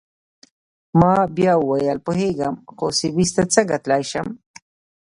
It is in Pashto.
ما بیا وویل: پوهیږم، خو سویس ته څنګه تلای شم؟